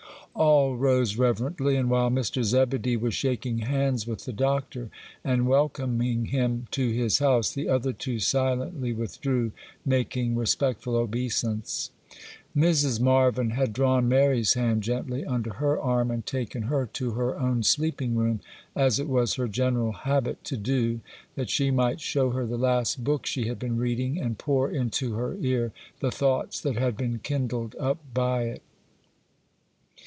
All rose reverently; and while Mr. Zebedee was shaking hands with the Doctor, and welcoming him to his house, the other two silently withdrew, making respectful obeisance. Mrs. Marvyn had drawn Mary's hand gently under her arm and taken her to her own sleeping room, as it was her general habit to do, that she might show her the last book she had been reading, and pour into her ear the thoughts that had been kindled up by it.